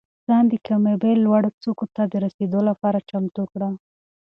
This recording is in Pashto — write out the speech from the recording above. ځان د کامیابۍ لوړو څوکو ته د رسېدو لپاره چمتو کړه.